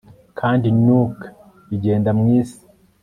kandi nook bigenda mu isi